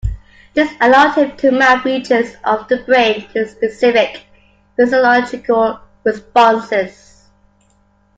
This allowed him to map regions of the brain to specific physiological responses.